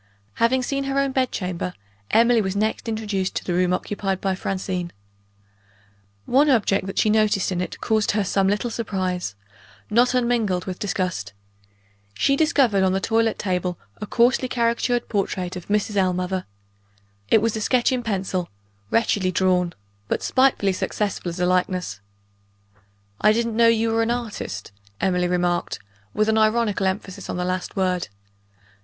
Having seen her own bed chamber, Emily was next introduced to the room occupied by Francine. One object that she noticed in it caused her some little surprise not unmingled with disgust. She discovered on the toilet table a coarsely caricatured portrait of Mrs. Ellmother. It was a sketch in pencil wretchedly drawn; but spitefully successful as a likeness. "I didn't know you were an artist," Emily remarked, with an ironical emphasis on the last word.